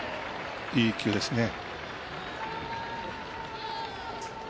いい一球ですね。